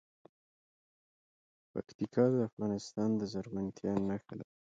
پکتیکا د افغانستان د زرغونتیا نښه ده.